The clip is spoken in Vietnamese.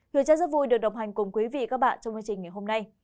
thừa chắc rất vui được đồng hành cùng quý vị và các bạn trong chương trình ngày hôm nay